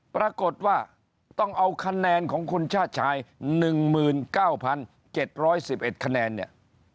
ปรากฏว่าต้องเอาคะแนนของคุณชาติชาย๑๙๗๑๑คะแนนเนี่ย